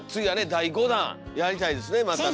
第５弾やりたいですねまたね。